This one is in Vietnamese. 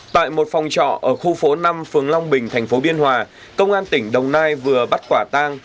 tại một phòng trọ ở khu phố năm phường long bình thành phố biên hòa công an tỉnh đồng nai vừa bắt quả tang